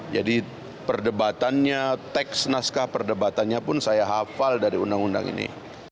jadi perdebatannya teks naskah perdebatannya pun saya hafal dari undang undang ini